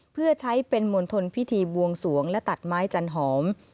เพื่อใช้เป็นมณฑลพิธีบวงสวงและตัดไม้จันหอม